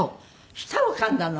舌をかんだの？